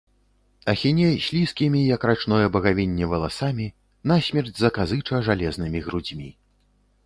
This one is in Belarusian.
Ахіне слізкімі, як рачное багавінне, валасамі, насмерць заказыча жалезнымі грудзьмі.